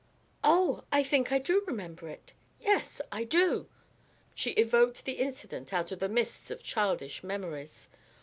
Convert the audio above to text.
"Oh, I think I do remember it. Yes I do." She evoked the incident out of the mists of childish memories.